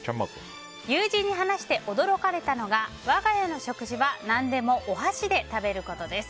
友人に話して驚かれたのが我が家の食事は何でもお箸で食べることです。